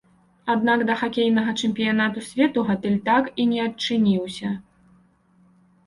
Аднак да хакейнага чэмпіянату свету гатэль так і не адчыніўся.